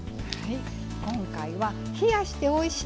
今回は「冷やしておいしい！